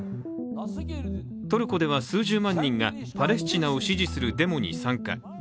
トルコでは数十万人がパレスチナを支持するデモに参加。